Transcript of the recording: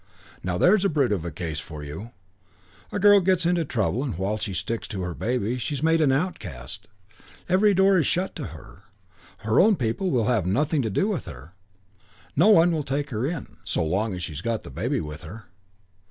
Now there's a brute of a case for you: a girl gets into trouble and while she sticks to her baby she's made an outcast; every door is shut to her; her own people will have nothing to do with her; no one will take her in so long as she's got the baby with her.